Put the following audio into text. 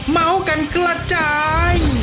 เม้ากันกระจาย